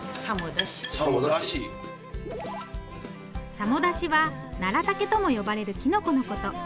さもだしはナラタケとも呼ばれるきのこのこと。